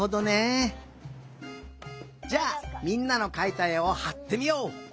じゃあみんなのかいたえをはってみよう。